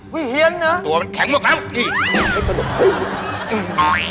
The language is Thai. อุ๊ยเฮียนนะตัวแข็งมากน้ำนี่ไม่เป็นประโยชน์